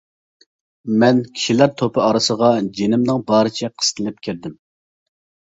مەن كىشىلەر توپى ئارىسىغا جېنىمنىڭ بارىچە قىستىلىپ كىردىم.